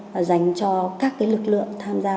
và dành cho các lực lượng tham gia